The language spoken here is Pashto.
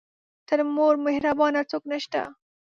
تر مور مهربانه څوک نه شته .